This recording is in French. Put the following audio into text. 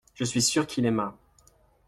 Je suis sûr qu’il aima.